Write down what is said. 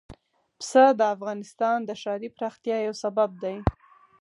پسه د افغانستان د ښاري پراختیا یو سبب دی.